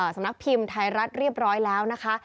สำนักพิมพ์ไทยรัฐเรียบร้อยแล้วนะคะ